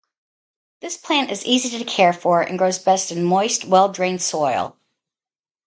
This plant is easy to care for and grows best in moist, well-drained soil.